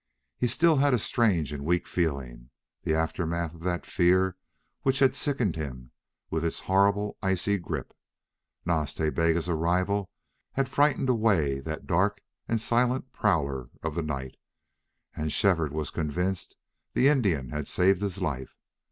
He still had a strange and weak feeling the aftermath of that fear which had sickened him with its horrible icy grip. Nas Ta Bega's arrival had frightened away that dark and silent prowler of the night; and Shefford was convinced the Indian had saved his life.